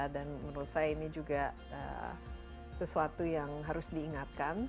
dan menurut saya ini juga sesuatu yang harus diingatkan